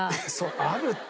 あるって。